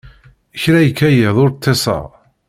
Kra ikka yiḍ ur ṭṭiseɣ.